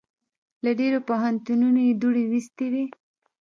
له ډېرو پوهنتونو یې دوړې ویستې وې.